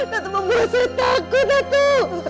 datuk membawa saya takut datuk